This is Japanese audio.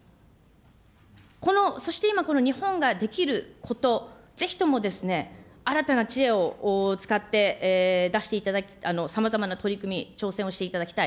この、そしていま日本ができること、ぜひともですね、新たな知恵を使って出して、さまざまな取り組み、挑戦をしていただきたい。